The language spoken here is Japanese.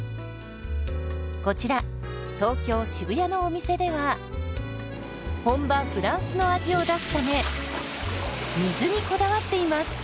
こちら東京・渋谷のお店では本場フランスの味を出すため水にこだわっています。